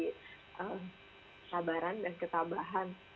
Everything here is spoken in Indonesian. kekabaran dan ketabahan